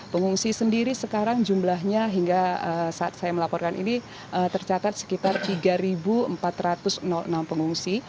pengungsi sendiri sekarang jumlahnya hingga saat saya melaporkan ini tercatat sekitar tiga empat ratus enam pengungsi